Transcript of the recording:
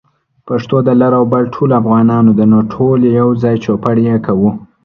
پښتو د لر او بر ټولو افغانانو ده، نو ټول يوځای چوپړ يې کوو